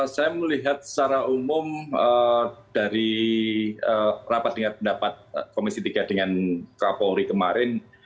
saya melihat secara umum dari rapat dengan pendapat komisi tiga dengan kapolri kemarin